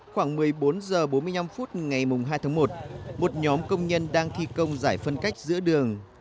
khoảng một mươi bốn h bốn mươi năm phút ngày hai tháng một một nhóm công nhân đang thi công giải phân cách giữa đường